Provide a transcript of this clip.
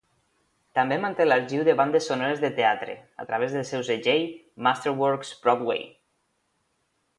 També manté l'arxiu de bandes sonores de teatre, a través del seu segell Masterworks Broadway.